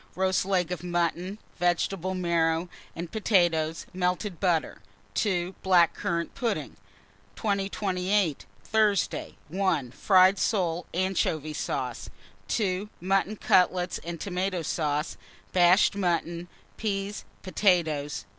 Roast leg of mutton, vegetable marrow, and potatoes, melted butter. 2. Black currant pudding. 2028. Thursday. 1. Fried soles, anchovy sauce. 2. Mutton cutlets and tomato sauce, bashed mutton, peas, potatoes.